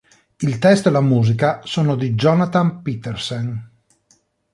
Il testo e la musica sono di Jonathan Petersen.